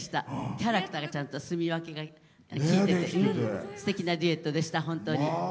キャラクターがちゃんと、すみわけがきいててすてきなデュエットでした本当に。